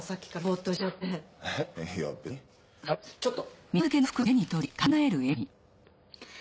ちょっと。